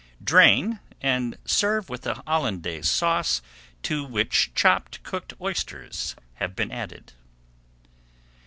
Drain, and serve with a Hollandaise Sauce to which chopped cooked oysters have been added.